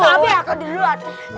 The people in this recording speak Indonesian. tapi aku duluan